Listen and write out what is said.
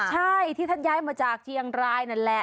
ใช่ที่ท่านย้ายมาจากเชียงรายนั่นแหละ